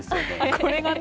これがね。